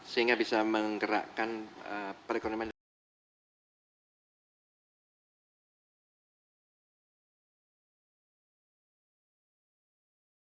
sehingga bisa menggerakkan perekonomian